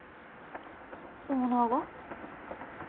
オーナーが？